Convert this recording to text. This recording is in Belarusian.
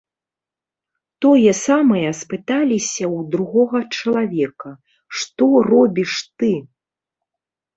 Тое самае спыталіся ў другога чалавека, што робіш ты?